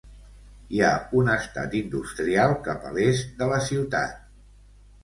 Hi ha un estat industrial cap a l'est de la ciutat.